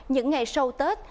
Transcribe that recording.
những ngày sau tết